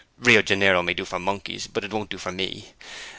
Rio Janeiro may do for monkeys, but it won't do for me.